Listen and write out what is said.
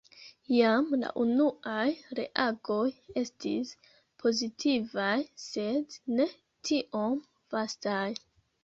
Jam la unuaj reagoj estis pozitivaj, sed ne tiom vastaj.